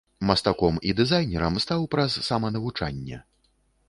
Мастаком і дызайнерам стаў праз саманавучанне.